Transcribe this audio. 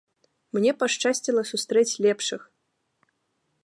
Мне пашчасціла сустрэць лепшых!